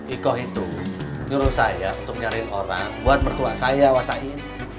ikoh itu nyuruh saya untuk nyariin orang buat mertua saya kuasain